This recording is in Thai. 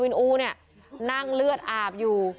ในง้านที่เอองรวินอู่เนี่ยนั่งเลือดอาบอยู่